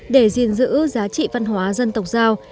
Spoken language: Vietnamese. để giữ giá trị văn hóa dân tộc giao